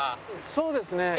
そうですね。